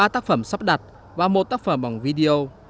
ba tác phẩm sắp đặt và một tác phẩm bằng video